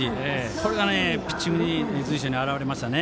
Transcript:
これがピッチングの随所に表れましたね。